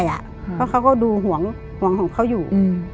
เพราะเขาก็ดูห่วงของเขาอยู่